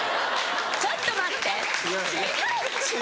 ちょっと待って違う！